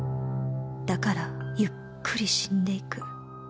「だからゆっくり死んでいく」